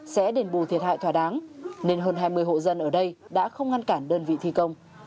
sẽ đền bù thiệt hại thỏa đáng nên hơn hai mươi hộ dân ở đây đã không ngăn cản đơn vị thi công